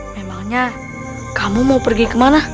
memangnya kamu mau pergi kemana